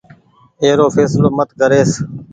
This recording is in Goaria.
اي رو ڦيسلو مت ڪريس۔